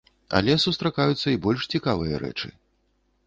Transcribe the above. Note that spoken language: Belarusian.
Але сустракаюцца і больш цікавыя рэчы.